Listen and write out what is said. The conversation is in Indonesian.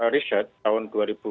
riset tahun dua ribu tiga belas